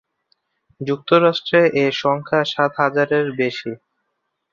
যুক্তরাষ্ট্রে এ সংখ্যা সাত হাজারের বেশি।